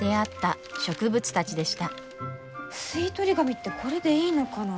吸い取り紙ってこれでいいのかな？